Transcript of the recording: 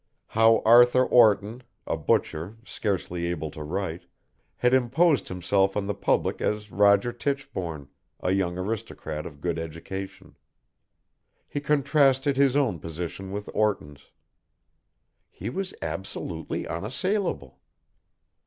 How Arthur Orton, a butcher, scarcely able to write, had imposed himself on the Public as Roger Tichborne, a young aristocrat of good education. He contrasted his own position with Orton's. He was absolutely unassailable.